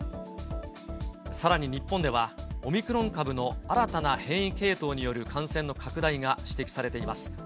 さらに日本では、オミクロン株の新たな変異系統による感染の拡大が指摘されています。